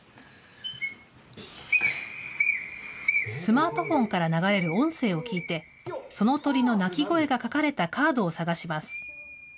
スマートフォンから流れる音声を聞いて、その鳥の鳴き声が書かれたカードを探します。